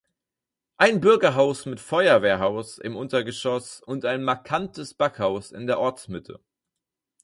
Ein Bürgerhaus mit Feuerwehrhaus im Untergeschoss und ein markantes Backhaus in der Ortsmitte.